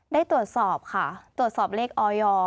ได้ตรวจสอบค่ะตรวจสอบเลขออย